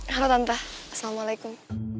halo tante assalamualaikum